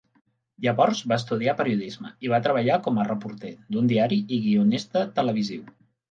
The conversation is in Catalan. Llavors va estudiar periodisme i va treballar com a reporter d'un diari i guionista televisiu.